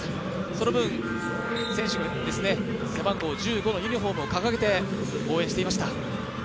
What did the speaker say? その分、選手の背番号１５のユニフォームを掲げて応援していました。